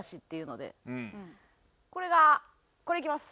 これがこれいきます。